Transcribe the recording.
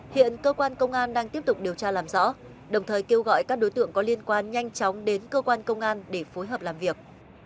hiện cơ quan công an đang tiếp tục điều tra làm rõ đồng thời kêu gọi các đối tượng có liên quan nhanh chóng đến cơ quan công an để phối hợp làm việc